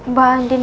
mbak andi itu